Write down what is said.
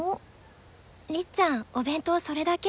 りっちゃんお弁当それだけ？